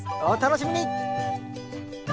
お楽しみに！